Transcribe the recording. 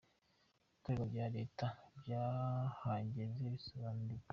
Kuba ibikorwa bya Leta byahagaze bisobanuye iki?.